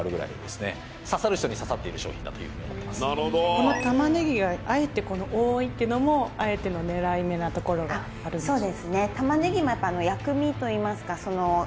この玉ねぎがあえて多いっていうのもあえての狙い目なところがあるんでしょうか？